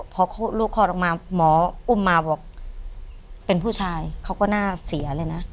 พอลูกคลอดออกมาหมออุ้มมาบอกเป็นผู้ชายเขาก็น่าเสียเลยนะ